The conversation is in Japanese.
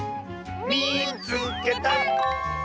「みいつけた！」。